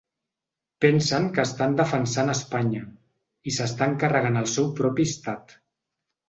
Pensen que estan defensant Espanya i s’estan carregant el seu propi estat.